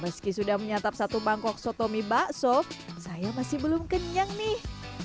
meski sudah menyatap satu bangkok soto mie bakso saya masih belum kenyang nih